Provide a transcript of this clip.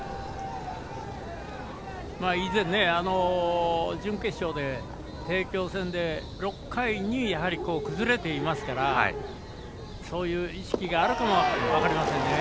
以前、準決勝で帝京戦で６回に、やはり崩れていますからそういう意識があるかも分かりませんね。